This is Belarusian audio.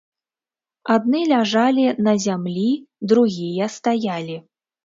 Адны ляжалі на зямлі, другія стаялі.